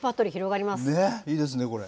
いいですね、これ。